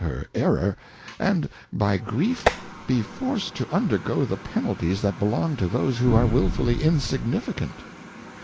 her Error, and with grief be forced to undergo the Penalties that belong to those who are wiWixAXy Insignificant.